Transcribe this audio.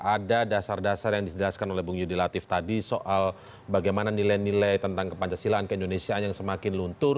ada dasar dasar yang dijelaskan oleh bung yudi latif tadi soal bagaimana nilai nilai tentang kepancasilaan keindonesiaan yang semakin luntur